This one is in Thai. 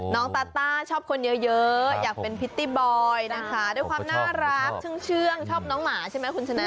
ตาต้าชอบคนเยอะอยากเป็นพิตตี้บอยนะคะด้วยความน่ารักเชื่องชอบน้องหมาใช่ไหมคุณชนะ